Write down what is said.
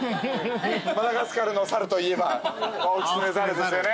マダガスカルの猿といえばワオキツネザルですよね。